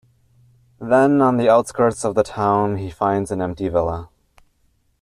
Then on the outskirts of the town he finds an empty villa.